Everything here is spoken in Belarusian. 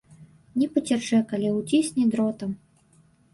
Не пацячэ, калі ўцісне дротам.